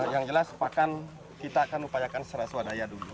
yang jelas pakan kita akan upayakan secara swadaya dulu